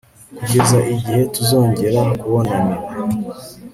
kugeza igihe tuzongera kubonanira